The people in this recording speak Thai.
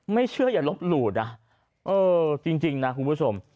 ไม่เชื่ออย่าลบหลุดอ่ะเออจริงจริงน่ะคุณผู้ชม